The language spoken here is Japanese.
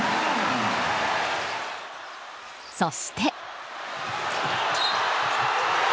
そして。